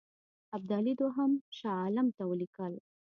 ابدالي دوهم شاه عالم ته ولیکل.